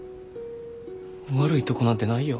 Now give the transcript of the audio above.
悪いとこなんてないよ。